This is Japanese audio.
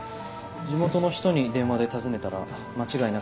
地元の人に電話で尋ねたら間違いなかったです。